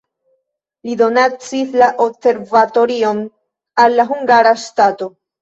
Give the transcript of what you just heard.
Li donacis la observatorion al la hungara ŝtato.